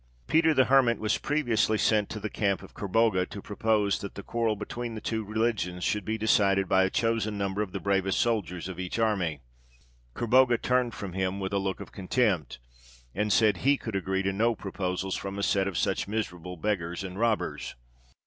Peter the Hermit was previously sent to the camp of Kerbogha to propose that the quarrel between the two religions should be decided by a chosen number of the bravest soldiers of each army. Kerbogha turned from him with a look of contempt, and said he could agree to no proposals from a set of such miserable beggars and robbers.